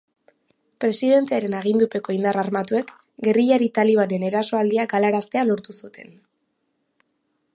Presidentearen agindupeko indar armatuek gerrillari talibanen erasoaldia galaraztea lortu zuten.